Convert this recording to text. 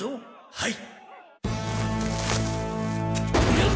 はい！